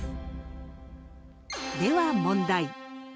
では問題。